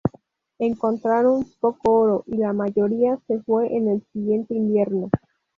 Encontraron poco oro, y la mayoría se fue en el siguiente invierno.